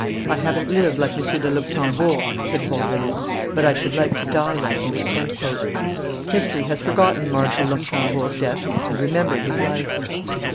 "I haven't lived like M. de Luxembourg," said Bourdaloue, "but I should like to die like him." History has forgotten Marshal Luxembourg's death and remembered his life.